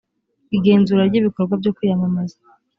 igenzura ry ibikorwa byo kwiyamamaza